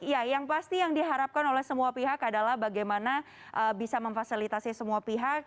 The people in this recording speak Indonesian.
ya yang pasti yang diharapkan oleh semua pihak adalah bagaimana bisa memfasilitasi semua pihak